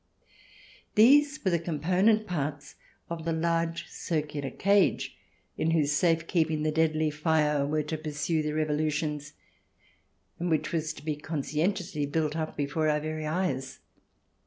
These were the com ponent parts of the large circular cage in whose safe keeping the "deadly fere" were to pursue their evolutions, and which was to be conscientiously built up before our very eyes.